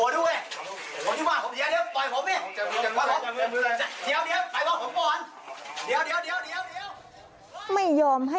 เดี๋ยว